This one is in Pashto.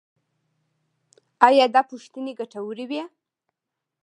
ایا دا پوښتنې ګټورې وې؟